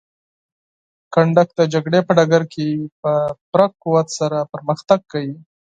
کنډک د جګړې په ډګر کې په پوره قوت سره پرمختګ کوي.